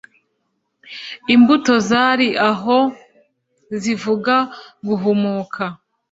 Imbuto zari aho zivuga guhumuka